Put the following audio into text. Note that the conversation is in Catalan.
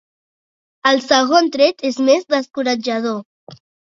El segon tret és més descoratjador.